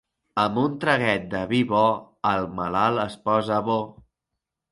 Amb un traguet de vi bo el malalt es posa bo.